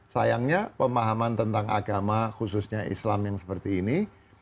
sayangnya pemahaman tentang agama khususnya islam yang seperti ini